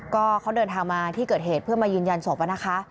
ก็เขาเดินทางมาที่เกิดเหตุเพื่อมายืนยันศพนะคะ